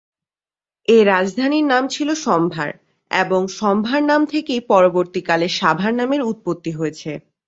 এ রাজধানীর নাম ছিল সম্ভার এবং সম্ভার নাম থেকেই পরবর্তীকালে সাভার নামের উৎপত্তি হয়েছে।